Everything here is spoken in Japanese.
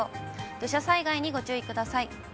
土砂災害にご注意ください。